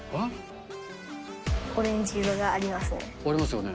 オレンジ色がありますね。